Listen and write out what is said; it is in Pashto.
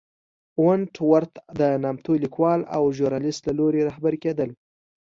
ونټ ورت د نامتو لیکوال او ژورنالېست له لوري رهبري کېدل.